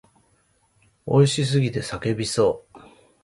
美味しすぎて叫びそう。